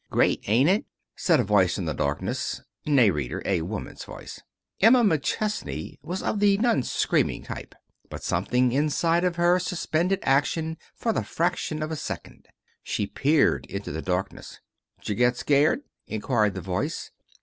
"Great, ain't it?" said a voice in the darkness. (Nay, reader. A woman's voice.) Emma McChesney was of the non screaming type. But something inside of her suspended action for the fraction of a second. She peered into the darkness. "'J' get scared?" inquired the voice.